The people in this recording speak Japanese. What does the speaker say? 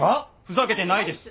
ふざけてないです。